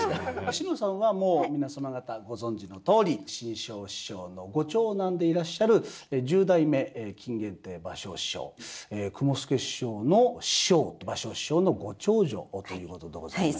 志乃さんはもう皆様方ご存じのとおり志ん生師匠のご長男でいらっしゃる十代目金原亭馬生師匠雲助師匠の師匠馬生師匠のご長女ということでございまして。